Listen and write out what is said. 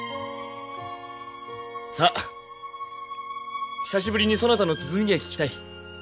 さあ久しぶりにそなたの鼓が聴きたい。